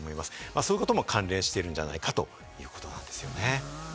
そういうことも関係しているんじゃないかということなんですね。